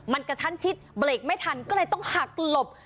มันกระชั้นชิดเบรกไม่ทันก็เลยต้องหักหลบ